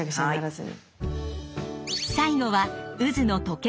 最後はうずの時計